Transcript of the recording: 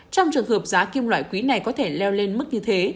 trong trường hợp giá kim loại quý này có thể leo lên mức như thế